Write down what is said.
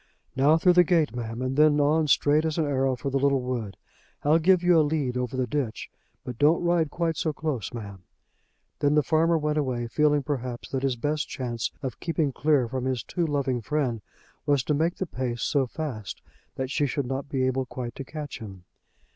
"Now through the gate, ma'am, and then on straight as an arrow for the little wood. I'll give you a lead over the ditch, but don't ride quite so close, ma'am." Then the farmer went away feeling perhaps that his best chance of keeping clear from his too loving friend was to make the pace so fast that she should not be able quite to catch him.